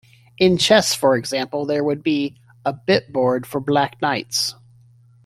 In chess, for example, there would be a bitboard for black knights.